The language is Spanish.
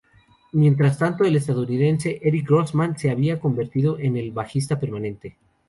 Mientras tanto, el estadounidense Eric Grossman se había convertido en el bajista permanente.